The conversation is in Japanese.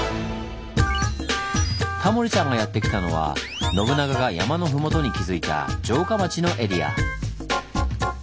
タモリさんがやって来たのは信長が山の麓に築いた城下町のエリア。